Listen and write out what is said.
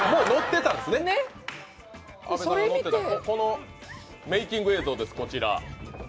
それを見てこのメーキング映像です、こちら。